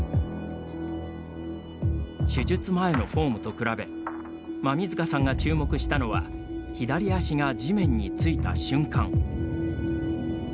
手術前のフォームと比べ馬見塚さんが注目したのは左足が地面についた瞬間。